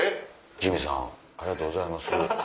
ジミーさんありがとうございます。